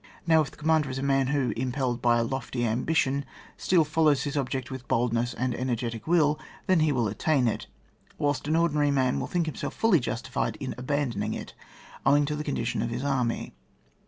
Now, if the commander is a man, who, im pelled by a lofty ambition, still follows his object with boldness and energetic will, then he will attain it, whilst an ordinary man will think himself fully justified in abandoning it, owing to the condition of his army.